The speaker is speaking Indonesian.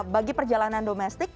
bagi perjalanan domestik